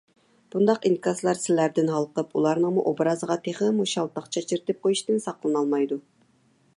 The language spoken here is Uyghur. بۇنداق ئىنكاسلار سىلەردىن ھالقىپ ئۇلارنىڭمۇ ئوبرازىغا تېخىمۇ شالتاق چاچرىتىپ قويۇشتىن ساقلىنالمايدۇ.